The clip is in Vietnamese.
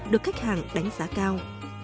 được khách hàng đánh giá cao